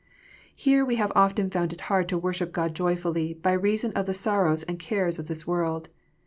Here we have often found it hard to worship God joyfully, by reason of the sorrows and cares of this world.